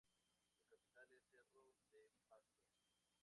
Su capital es Cerro de Pasco.